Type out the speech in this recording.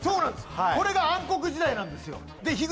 これが暗黒時代なんですよで